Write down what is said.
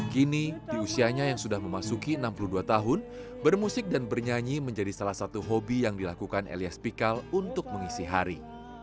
kini di usianya yang sudah memasuki enam puluh dua tahun bermusik dan bernyanyi menjadi salah satu hobi yang dilakukan elias pikal untuk mengisi hari